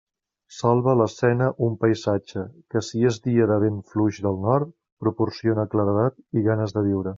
Salva l'escena un paisatge, que si és dia de vent fluix del nord, proporciona claredat i ganes de viure.